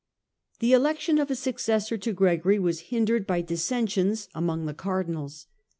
The election of a successor to Gregory was hindered by dissensions among the Cardinals.